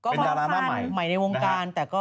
เป็นดาราหน้าใหม่ใหม่ในวงการ